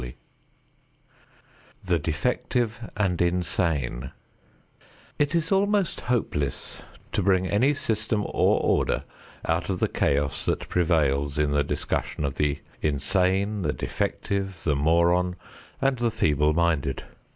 XXVI THE DEFECTIVE AND INSANE It is almost hopeless to bring any system or order out of the chaos that prevails in the discussion of the insane, the defective, the moron, and the feeble minded.